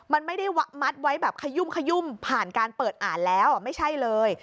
มันไม่ได้มัดไว้แบบขยุ่มขยุ่มผ่านการเปิดอ่านแล้วไม่ใช่เลย